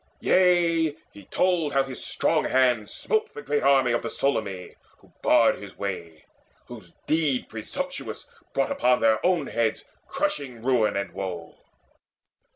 Yea, he told how his strong hands Smote the great army of the Solymi Who barred his way, whose deed presumptuous brought Upon their own heads crushing ruin and woe.